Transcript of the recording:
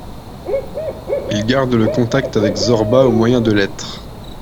Il garde le contact avec Zorba au moyen de lettres.